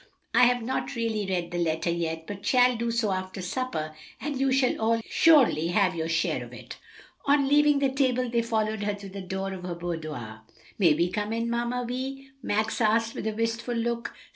"I have not really read the letter yet, but shall do so after supper, and you shall all surely have your share of it." On leaving the table they followed her to the door of her boudoir. "May we come in, Mamma Vi?" Max asked, with a wistful look.